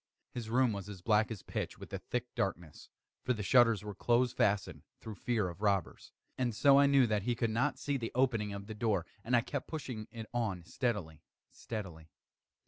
His room was as black as pitch with the thick darkness, (for the shutters were close fastened, through fear of robbers,) and so I knew that he could not see the opening of the door, and I kept pushing it on steadily, steadily.